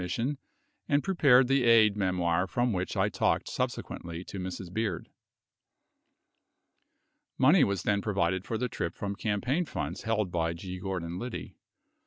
129 mission and prepared the aide memoir from which I talked subsequently to Mrs. Beard. 63 Money was then provided for the trip from campaign funds held by G. Gordon Liddy.